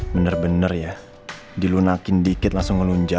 bener bener ya dilunakin dikit langsung melunjar